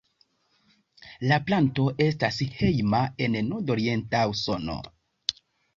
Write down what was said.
La planto estas hejma en nordorienta Usono.